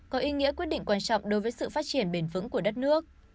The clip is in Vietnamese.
có ý nghĩa quyết định quan trọng đối với sự phát triển bền vững của đất nước